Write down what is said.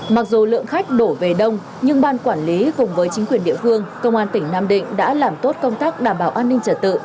mặc dù lượng khách đổ về đông nhưng ban quản lý cùng với chính quyền địa phương công an tỉnh nam định đã làm tốt công tác đảm bảo an ninh trật tự